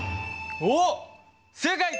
おっ正解！